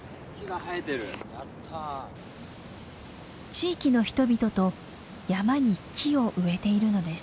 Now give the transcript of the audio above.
地域の人々と山に木を植えているのです。